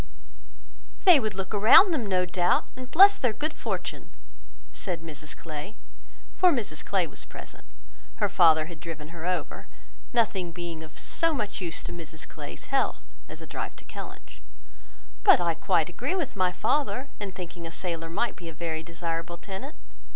"They would look around them, no doubt, and bless their good fortune," said Mrs Clay, for Mrs Clay was present: her father had driven her over, nothing being of so much use to Mrs Clay's health as a drive to Kellynch: "but I quite agree with my father in thinking a sailor might be a very desirable tenant.